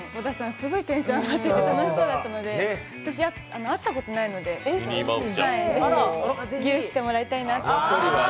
すごいテンション上がって楽しそうだったので、私、会ったことないので、ぜひギュしてもらいたいなと。